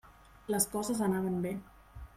Les coses anaven bé.